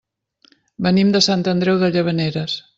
Venim de Sant Andreu de Llavaneres.